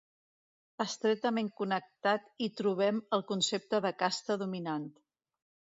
Estretament connectat hi trobem el concepte de casta dominant.